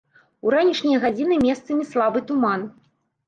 У ранішнія гадзіны месцамі слабы туман.